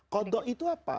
qodoh itu apa